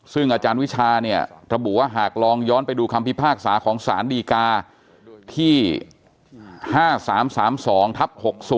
ซึ่งอาจารย์วิชาเนี่ยระบุว่าหากลองย้อนไปดูคำพิพากษาของสารดีกาที่๕๓๓๒ทับ๖๐